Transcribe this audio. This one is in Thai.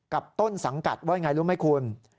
กับต้นสังกัดว่าไงรู้ไหมคุณ